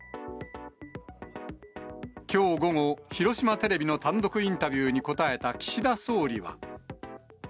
きょう午後、広島テレビの単独インタビューに答えた岸田総理は。